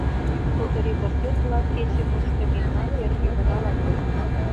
Фоторепортёр-влак кече мучко мемнан йыр ӱвырала пӧрдыт.